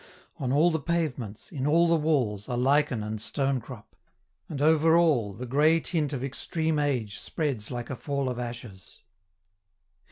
On all the pavements, in all the walls, are lichen and stonecrop; and over all the gray tint of extreme age spreads like a fall of ashes.